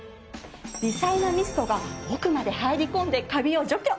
微細なミストが奥まで入り込んでカビを除去。